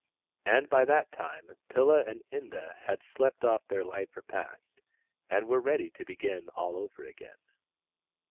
And by that time Pilla and Inda had slept off their light repast, and were ready to begin all over again.